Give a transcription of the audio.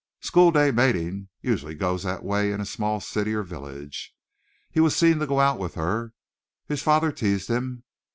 School day mating usually goes that way in a small city or village. He was seen to go out with her. His father teased him.